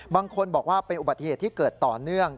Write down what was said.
บางคนบอกว่าเป็นอุบัติเหตุที่เกิดต่อเนื่อง